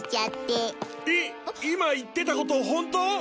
今言ってたことホント！？